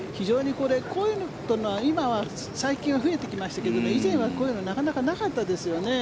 こういうのって最近は増えてきましたが以前はこういうのはなかなかなかったですよね。